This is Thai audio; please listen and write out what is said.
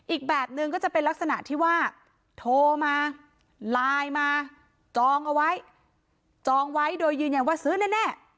อีกแบบนึงก็จะเป็นลักษณะที่ว่าโทรมาไลน์มาจองเอาไว้จองไว้โดยยืนยันว่าซื้อแน่